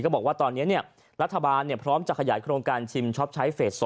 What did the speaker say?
บอกว่าตอนนี้รัฐบาลพร้อมจะขยายโครงการชิมช็อปใช้เฟส๒